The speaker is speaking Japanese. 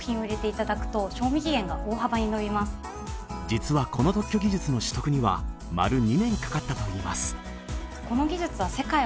実はこの特許技術の取得には丸２年かかったといいます